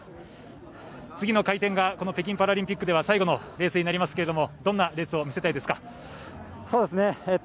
次の回転が北京パラリンピックでは最後のレースになりますけれどもどんなレースをみせたいですか。